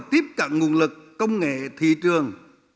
tiếp cận nguồn lực công nghệ thị trường